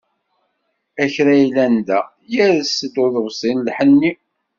A kra yellan da, yers-d uḍebsi n lḥenni.